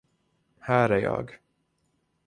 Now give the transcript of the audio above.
Här är jag.